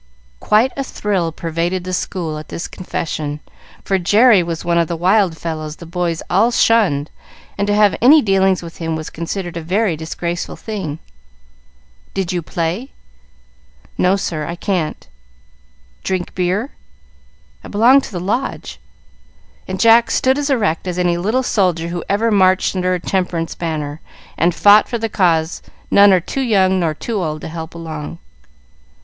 Quite a thrill pervaded the school at this confession, for Jerry was one of the wild fellows the boys all shunned, and to have any dealings with him was considered a very disgraceful thing. "Did you play?" "No, sir. I can't." "Drink beer?" "I belong to the Lodge;" and Jack stood as erect as any little soldier who ever marched under a temperance banner, and fought for the cause none are too young nor too old to help along.